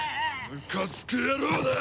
ムカつく野郎だ！